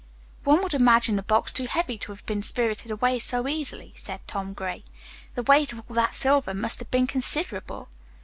"One would imagine the box too heavy to have been spirited away so easily," said Tom Gray. "The weight of all that silver must have been considerable."